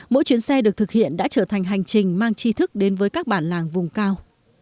mỗi chuyến xe được thực hiện đã trở thành hành trình mang chi thức đến với các bản làng vùng cao